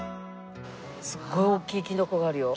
すごい大きいキノコがあるよ。